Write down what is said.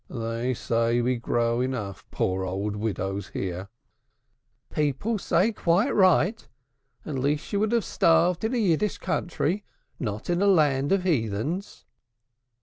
They say we grow enough poor old widows here." "People say quite right at least she would have starved in, a Yiddishë country, not in a land of heathens."